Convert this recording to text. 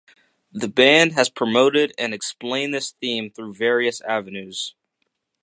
The band has promoted and explained this theme through various avenues.